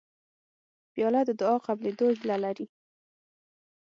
پیاله د دعا قبولېدو هیله لري